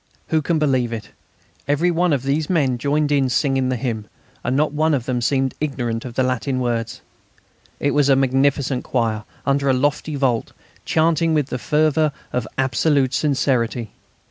Who can believe it? Every one of these men joined in singing the hymn, and not one of them seemed ignorant of the Latin words. It was a magnificent choir, under a lofty vault, chanting with the fervour of absolute sincerity.